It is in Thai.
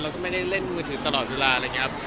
แล้วก็ไม่ได้เล่นมือถือตลอดเวลาอะไรอย่างนี้ครับ